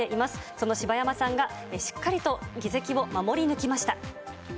その柴山さんがしっかりと議席を守り抜きました。